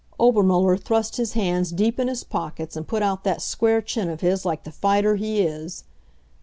Obermuller thrust his hands deep in his pockets and put out that square chin of his like the fighter he is.